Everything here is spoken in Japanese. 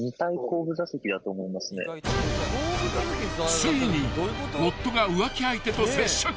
［ついに夫が浮気相手と接触］